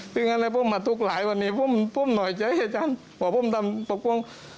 ด้วยงั้นแล้วพ่อมันมาทุกหลายวันนี้พ่อมันพ่อมันหน่อยใช้อาจารย์ว่าพ่อมันทำปกป้อง